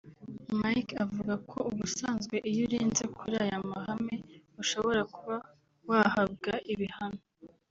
Mike avuga ko ubusanzwe iyo urenze kuri aya mahame ushobora kuba wahabwa ibihano